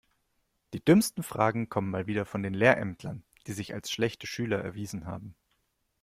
Die dümmsten Fragen kommen mal wieder von den Lehrämtlern, die sich als schlechte Schüler erwiesen haben.